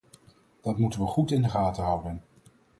Dat moeten we goed in de gaten houden.